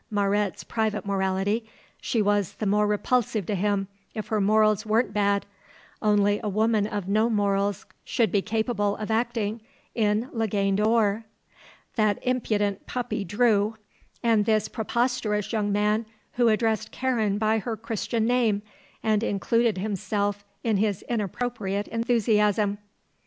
Mauret's private morality; she was the more repulsive to him if her morals weren't bad; only a woman of no morals should be capable of acting in La Gaine d'Or;) that impudent puppy Drew, and this preposterous young man who addressed Karen by her Christian name and included himself in his inappropriate enthusiasm.